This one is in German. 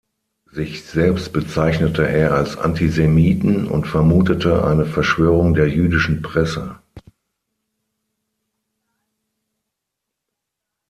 Sich selbst bezeichnete er als Antisemiten und vermutete eine Verschwörung der jüdischen Presse.